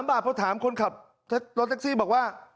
บาทพอถามคนขับรถแท็กซี่บอกว่า